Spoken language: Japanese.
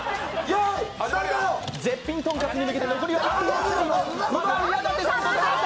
絶品とんかつに向けて。